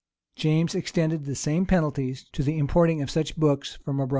[] James extended the same penalties to the importing of such books from abroad.